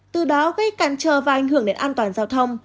từ đó gây càn trờ và ảnh hưởng đến an toàn giao thông